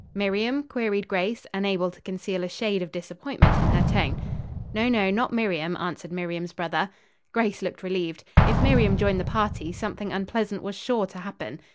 "Miriam?" queried Grace, unable to conceal a shade of disappointment in her tone. "No, no; not Miriam," answered Miriam's brother. Grace looked relieved. If Miriam joined the party, something unpleasant was sure to happen.